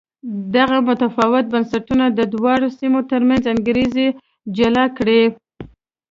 دغه متفاوت بنسټونه د دواړو سیمو ترمنځ انګېزې جلا کړې.